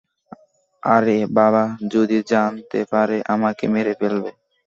আরে বাবা যদি জানতে পারে, আমাকে মেরে ফেলবে।